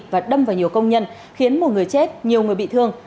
và đâm vào nhiều công nhân khiến một người chết nhiều người bị thương